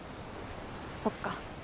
そっか。